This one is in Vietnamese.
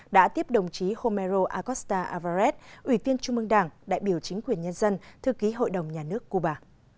đã tiếp đồng chí homero acosta alvarez ủy viên trung mương đảng đại biểu chính quyền nhân dân thư ký hội đồng nhà nước cuba